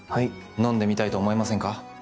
飲んでみたいと思いませんか？